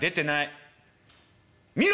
「見ろ！